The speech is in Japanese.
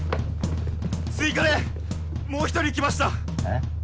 追加でもう一人来ましたえっ？